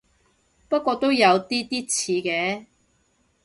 不過都有啲啲似嘅